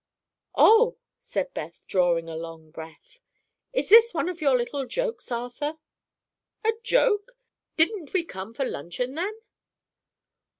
"Oh," said Beth, drawing a long breath. "Is this one of your little jokes, Arthur?" "A joke? Didn't we come for luncheon, then?"